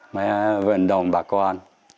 mấy vận đồng bạc quan